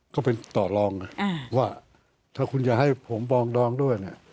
ก็เป็นต่อรองว่าถ้าคุณจะให้ผมปองดองด้วยเนี่ย